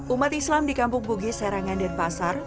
umat islam di kampung bugis serangan dan pasar